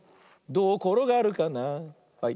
どうころがるかなはい。